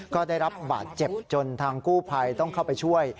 ก็ได้รับบาดเจ็บจนทางกู้ภัยต้องเข้าไปช่วย